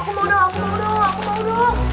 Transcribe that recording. eh aku mau dong aku mau dong